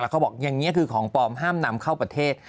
เขาบอกอย่างนี้คือของปลอมห้ามนำเข้าประเทศ